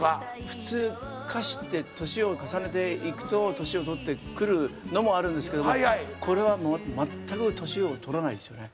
普通歌詞って年を重ねていくと年をとってくるのもあるんですけどこれは全く年をとらないですよね。